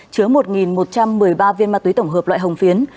chứa một một trăm một mươi ba viên ma túy tổng hợp loại hồng phiến